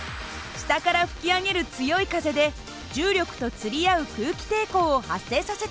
下から吹き上げる強い風で重力と釣り合う空気抵抗を発生させているんです。